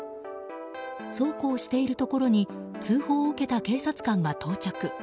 そうこうしているところに通報を受けた警察官が到着。